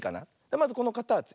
まずこのかたち。